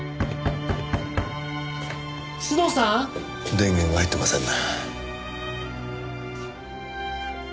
電源が入ってませんね。